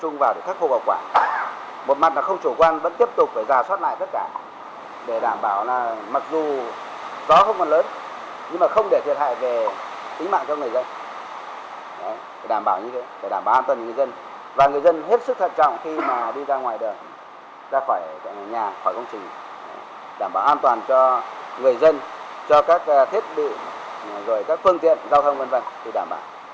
nhà khỏi công trình đảm bảo an toàn cho người dân cho các thiết bị các phương tiện giao thông v v thì đảm bảo